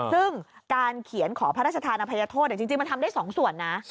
ซึ่งการเขียนขอพระราชทานอภัยโทษจริงมันทำได้๒ส่วนนะ